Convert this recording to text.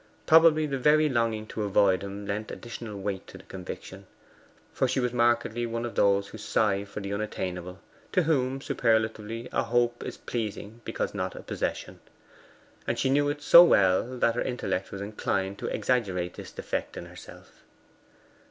Probably the very longing to avoid him lent additional weight to the conviction; for she was markedly one of those who sigh for the unattainable to whom, superlatively, a hope is pleasing because not a possession. And she knew it so well that her intellect was inclined to exaggerate this defect in herself.